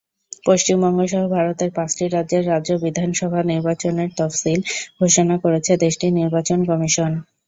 পশ্চিমবঙ্গসহ ভারতের পাঁচটি রাজ্যের রাজ্য বিধানসভা নির্বাচনের তফসিল ঘোষণা করেছে দেশটির নির্বাচন কমিশন।